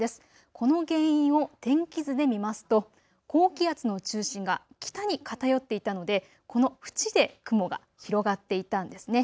この原因を天気図で見ますと高気圧の中心が北に偏っていたのでこの縁で雲が広がっていたんですね。